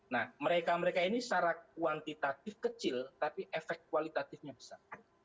nah mereka mereka ini secara kuantitatif kecil tapi efek kualitatifnya besar